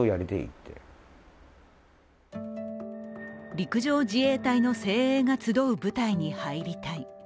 陸上自衛隊の精鋭が集う部隊に入りたい。